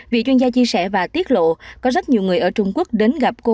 vị chuyên gia chia sẻ và tiết lộ có rất nhiều người ở trung quốc đến gặp cô